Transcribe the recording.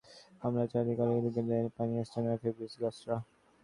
তবে বারবার ইতালির গোলমুখে হামলা চালালেও কাঙ্ক্ষিত গোলের দেখা পাননি ইনিয়েস্তা, ফেব্রিগাসরা।